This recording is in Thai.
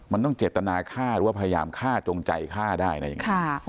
มันต้องเจตนาฆ่าหรือว่าพยายามฆ่าจงใจฆ่าได้อะไรอย่างนี้